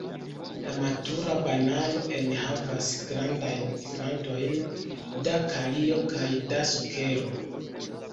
La matura banano enhavas grandajn kvantojn da kalio kaj da sukero.